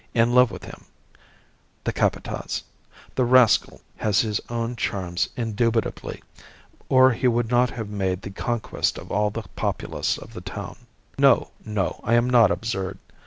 in love with him the Capataz. The rascal has his own charm indubitably, or he would not have made the conquest of all the populace of the town. No, no, I am not absurd.